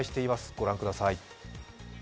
ご覧ください。